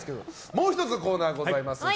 もう１つ、コーナーございます。